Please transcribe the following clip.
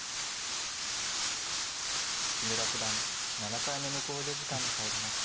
木村九段７回目の考慮時間に入りました。